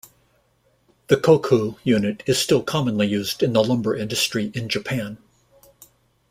The "koku" unit is still commonly used in the lumber industry in Japan.